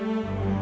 aku mau ke rumah